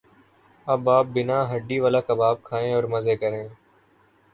اب آپ بینا ہڈی والا کباب کھائیں اور مزے کریں